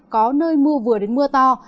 có nơi mưa vừa đến mưa to